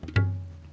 tapi kan belum jelas